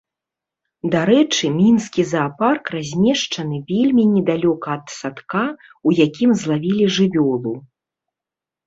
Дарэчы, мінскі заапарк размешчаны вельмі недалёка ад садка, у якім злавілі жывёлу.